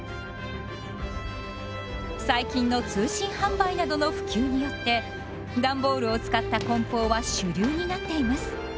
最近の通信販売などの普及によってダンボールを使った梱包は主流になっています。